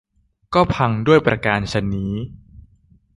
ก็พังด้วยประการฉะนี้